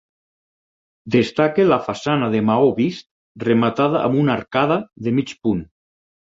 Destaca la façana de maó vist rematada amb una arcada de mig punt.